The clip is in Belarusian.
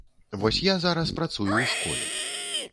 Вось я зараз працую ў школе.